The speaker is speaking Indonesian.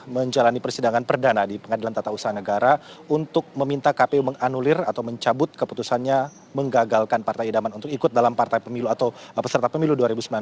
menjalani persidangan perdana di pengadilan tata usaha negara untuk meminta kpu menganulir atau mencabut keputusannya menggagalkan partai idaman untuk ikut dalam partai pemilu atau peserta pemilu dua ribu sembilan belas